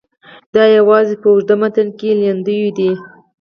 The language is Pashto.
دا یوازې په اوږده متن کې لیندیو دي.